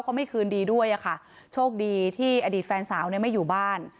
เขาไม่คืนดีด้วยอะค่ะโชคดีที่อดีตแฟนสาวเนี่ยไม่อยู่บ้าน